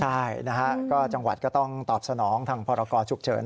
ใช่จังหวัดก็ต้องตอบสนองทางพกฉุกเฉิน